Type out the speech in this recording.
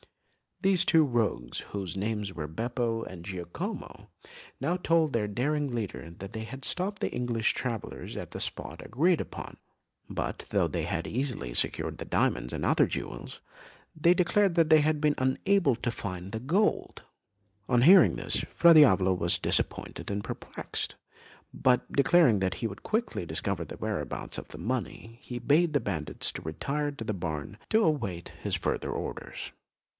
These two rogues, whose names were Beppo and Giacomo, now told their daring leader that they had stopped the English travellers at the spot agreed upon; but though they had easily secured the diamonds and other jewels, they declared they had been unable to find the gold. On hearing this, Fra Diavolo was disappointed and perplexed, but declaring that he would quickly discover the whereabouts of the money, he bade the bandits retire to the barn to await his further orders.